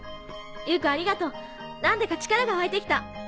夕子ありがとう何だか力が湧いて来た。